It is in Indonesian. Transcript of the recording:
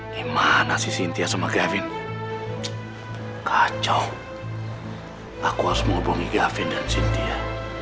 gimana sih sintia sama gavin kacau aku harus menghubungi gavin dan sintia